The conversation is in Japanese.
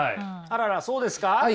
あららそうですか？